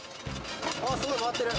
すごい回ってる！